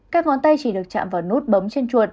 các ngón tay chỉ được chạm vào nút bấm trên chuột